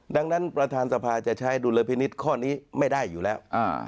ดังนั้นประธานสภาจะใช้ดุลพินิษฐ์ข้อนี้ไม่ได้อยู่แล้ว